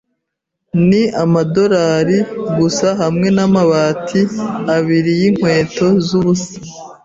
Ni amadorari gusa hamwe namabati abiri yinkweto zubusa.